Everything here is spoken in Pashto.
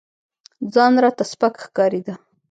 ځان راته سپك ښكارېده.